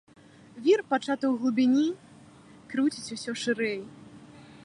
Вір, пачаты ў глыбіні, круціць усё шырэй.